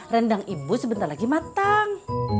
rendang ibu sebentar lagi matang